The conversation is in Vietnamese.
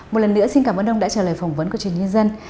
một lần nữa xin cảm ơn ông đã trả lời phỏng vấn của trường nhân dân